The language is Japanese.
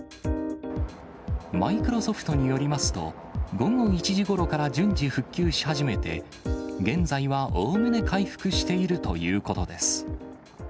マイクロソフトによりますと、午後１時ごろから順次復旧し始めて、現在はおおむね回復しているということです。